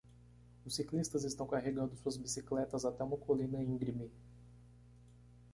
Os ciclistas estão carregando suas bicicletas até uma colina íngreme.